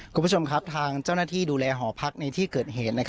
คุณผู้ชมครับทางเจ้าหน้าที่ดูแลหอพักในที่เกิดเหตุ